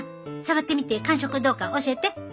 触ってみて感触はどうか教えて。